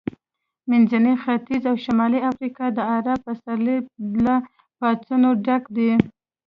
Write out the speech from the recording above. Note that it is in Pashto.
منځنی ختیځ او شمالي افریقا د عرب پسرلي له پاڅونونو ډک دي.